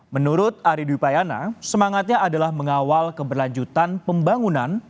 menurut ari dwipayana semangatnya adalah mengawal keberlanjutan pembangunan